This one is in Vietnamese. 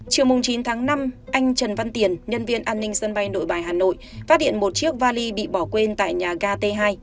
chiều chín tháng năm anh trần văn tiền nhân viên an ninh sân bay nội bài hà nội phát hiện một chiếc vali bị bỏ quên tại nhà ga t hai